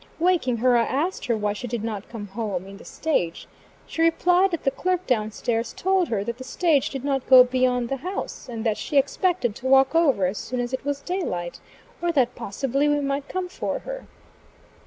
Waking her, I asked her why she did not come home, in the stage? She replied that the clerk down stairs told her that the stage did not go beyond the house, and that she expected to walk over, as soon as it was daylight, or that possibly we might come for her.